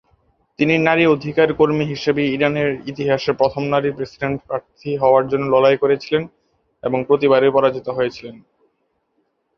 তিনি নারী অধিকার কর্মী হিসাবে ইরানের ইতিহাসে প্রথম নারী প্রেসিডেন্ট প্রার্থী হওয়ার জন্য লড়াই করেছিলেন এবং প্রতিবারই পরাজিত হয়েছিলেন।